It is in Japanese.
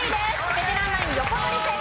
ベテランナイン横取り成功。